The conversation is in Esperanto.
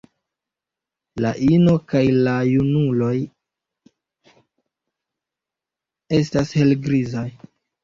La ino kaj la junuloj estas helgrizaj.